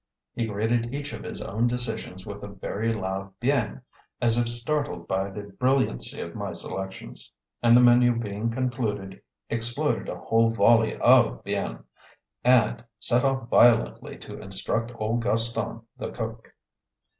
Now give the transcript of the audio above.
He greeted each of his own decisions with a very loud "Bien!" as if startled by the brilliancy of my selections, and, the menu being concluded, exploded a whole volley of "Biens" and set off violently to instruct old Gaston, the cook.